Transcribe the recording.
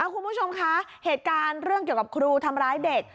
คุณผู้ชมคะเหตุการณ์เรื่องเกี่ยวกับครูทำร้ายเด็ก